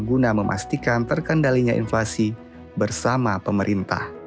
guna memastikan terkendalinya inflasi bersama pemerintah